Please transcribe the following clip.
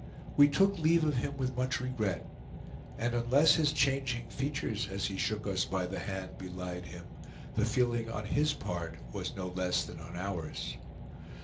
We took leave of him with much regret; and unless his changing features, as he shook us by the hand, belied him, the feeling on his part was no less than on ours.